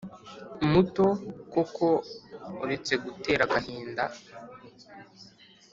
Muto koko uretse gutera agahinda